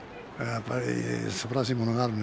すばらしいものがあるね。